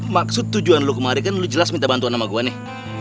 maksud tujuan lu kemari kan lu jelas minta bantuan sama gua nih